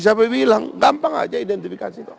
siapa bilang gampang aja identifikasi itu